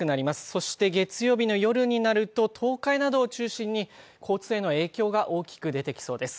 そして月曜日の夜になると東海などを中心に交通への影響が大きく出てきそうです。